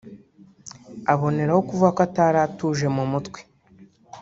aboneraho kuvuga ko atari atuje mu mutwe